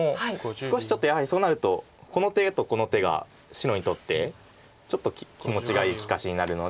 少しちょっとやはりそうなるとこの手とこの手が白にとってちょっと気持ちがいい利かしになるので。